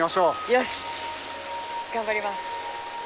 よし頑張ります。